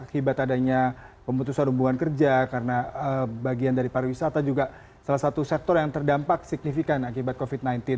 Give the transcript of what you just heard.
akibat adanya pemutusan hubungan kerja karena bagian dari pariwisata juga salah satu sektor yang terdampak signifikan akibat covid sembilan belas